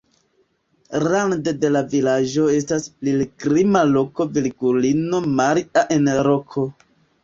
Rande de la vilaĝo estas pilgrima loko virgulino Maria en roko.